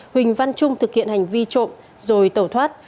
huỳnh văn trung thực hiện hành vi trộm rồi tẩu thoát